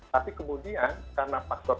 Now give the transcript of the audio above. tapi kemudian karena faktor